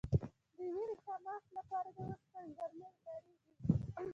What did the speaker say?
د وینې کمښت لپاره د اوسپنې درمل کارېږي.